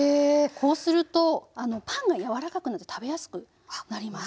こうするとあのパンが柔らかくなって食べやすくなります。